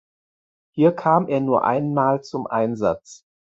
Hier kam er nur einmal zum Einsatz.